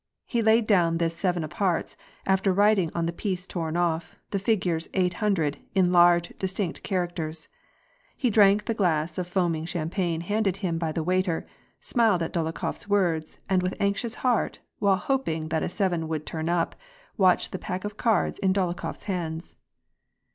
He laid down this seven of hearts, after writing on the piece torn off, the figures eight hundred, in large, distinct characters ; he drank the glass of foaming champagne handed him bv the waiter, smiled at Dolokhofs words, and with anxious heart, while hoping that a seven would turn up, watched the pack of cards in Dolokhofs hands.'